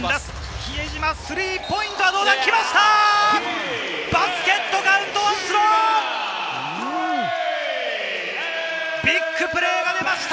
比江島、スリーポイントはどうだ？来ました！